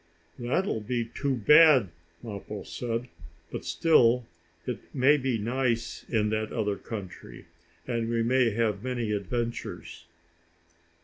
"That will be too bad," Mappo said. "But still, it may be nice in that other country, and we may have many adventures."